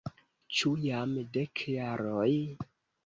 Ĉu jam dek jaroj?